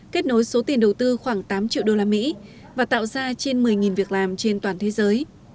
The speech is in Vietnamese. kết nối số tiền đầu tư khoảng tám triệu usd và tạo ra trên một mươi việc làm trên toàn thế giới